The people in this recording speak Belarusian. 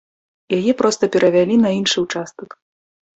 Яе проста перавялі на іншы ўчастак.